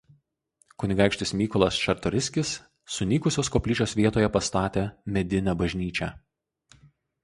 Kunigaikštis Mykolas Čartoriskis sunykusios koplyčios vietoje pastatė medinę bažnyčią.